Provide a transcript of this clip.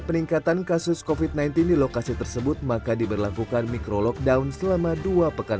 peningkatan kasus covid sembilan belas di lokasi tersebut maka diberlakukan micro lockdown selama dua pekan